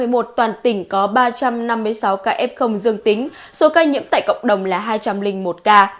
một toàn tỉnh có ba trăm năm mươi sáu ca f dương tính số ca nhiễm tại cộng đồng là hai trăm linh một ca